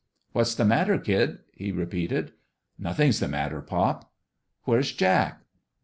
" What's the matter, kid ?" he repeated. "Nothing's the matter, pop." "Where's Jack?"